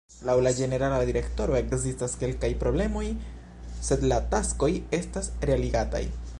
Laŭ la ĝenerala direktoro ekzistas kelkaj problemoj, sed la taskoj estas realigataj.